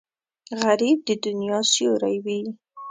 غریب د دنیا سیوری وي